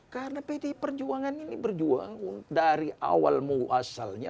karena pdi perjuangan ini berjuang dari awal mu asalnya